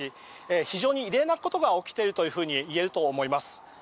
非常に異例なことが起きているといえると思います。